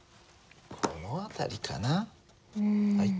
この辺りかな。